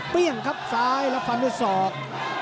เปี้ยงครับซ้ายแล้วฟังด้วยสอก